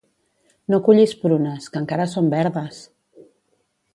No cullis prunes, que encara són verdes!